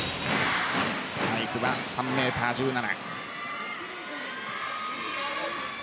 スパイクは３ｍ１７。